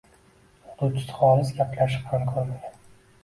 O‘qituvchisi xolis gaplashib ham ko‘rmagan.